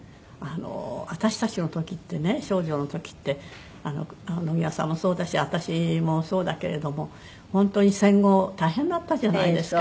私たちの時ってね少女の時って野際さんもそうだし私もそうだけれども本当に戦後大変だったじゃないですか。